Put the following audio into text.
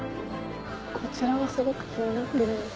こちらがすごく気になってるんです。